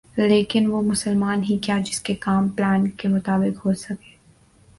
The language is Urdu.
لیکن وہ مسلمان ہی کیا جس کے کام پلان کے مطابق ہوسک